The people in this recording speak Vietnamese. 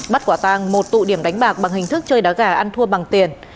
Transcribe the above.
bắt quả tang một tụ điểm đánh bạc bằng hình thức chơi đá gà ăn thua bằng tiền